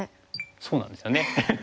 そうなんですよね。